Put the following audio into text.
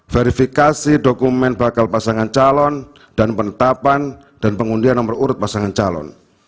verifikasi dokumen bakal pasangan calon dan penetapan dan pengundian nomor urut pasangan calon